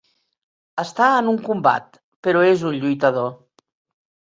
Està en un combat, però és un lluitador.